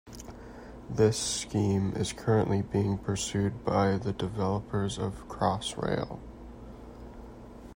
This scheme is currently being pursued by the developers of Crossrail.